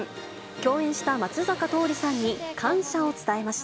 共演した松坂桃李さんに感謝を伝えました。